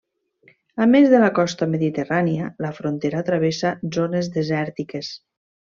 A més de la costa mediterrània, la frontera travessa zones desèrtiques.